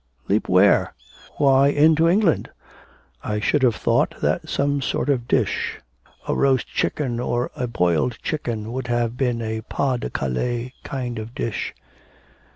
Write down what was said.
'Leap where?' 'Why, into England. I should have thought that some sort of dish a roast chicken or a boiled chicken would have been a pas de Calais kind of dish.'